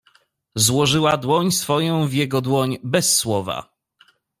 "Złożyła dłoń swoją w jego dłoń bez słowa."